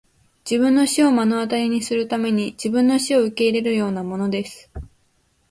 自分の死を目の当たりにするために自分の死を受け入れるようなものです!